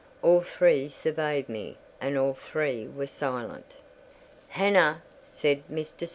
All three surveyed me, and all three were silent. "Hannah," said Mr. St.